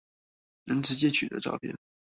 能直接取得照片